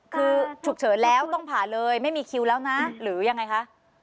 คือฉุกเฉินแล้วต้องผ่าเลยไม่มีคิวแล้วนะหรือยังไงคะ